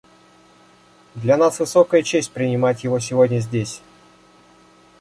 Для нас высокая честь принимать его сегодня здесь.